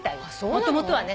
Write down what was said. もともとはね。